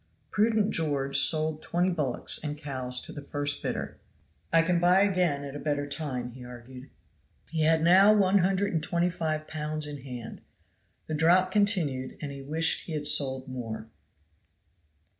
Prudent George sold twenty bullocks and cows to the first bidder. "I can buy again at a better time," argued he. He had now one hundred and twenty five pounds in hand. The drought continued and he wished he had sold more.